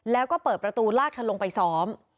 แล้วก็เปิดประตูลากเธอลงไปซ้อม